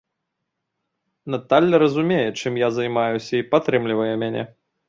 Наталля разумее, чым я займаюся і падтрымлівае мяне.